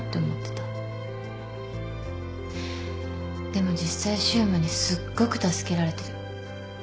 でも実際柊磨にすっごく助けられてる。